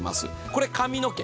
これ髪の毛。